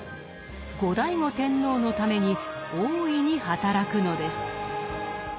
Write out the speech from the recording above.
後醍醐天皇のために大いに働くのです。